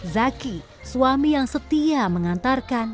zaki suami yang setia mengantarkan